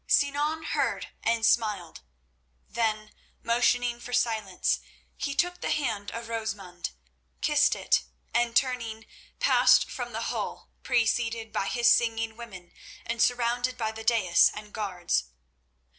Sinan heard and smiled. Then, motioning for silence, he took the hand of Rosamund, kissed it, and turning, passed from the hall preceded by his singing women and surrounded by the daïs and guards.